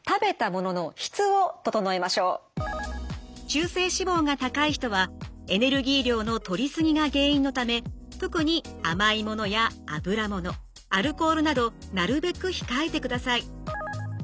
中性脂肪が高い人はエネルギー量のとり過ぎが原因のため特に甘いものや油ものアルコールなどなるべく控えてください。